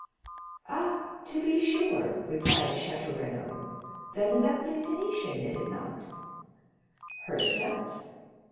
"Ah, to be sure," replied Château Renaud; "the lovely Venetian, is it not?" "Herself."